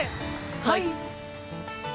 はい。